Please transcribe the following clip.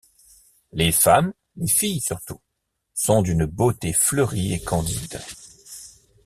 Les femmes, les filles surtout, sont d’une beauté fleurie et candide.